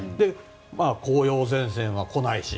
紅葉前線は来ないし